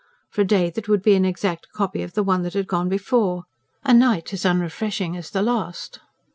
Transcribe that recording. For a day that would be an exact copy of the one that had gone before, a night as unrefreshing as the last.